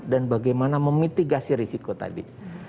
dan bagaimana memitigasi risiko tadi